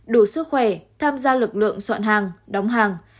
đủ sức khỏe tham gia lực lượng soạn hàng đóng hàng